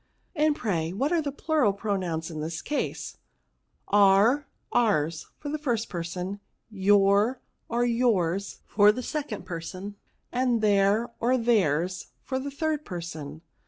" And, pray, what are the plural pronoxins in this case ?"" Our, ours, for the first person ; your, or yours, for the second person ; and their, or theirs, for the third person."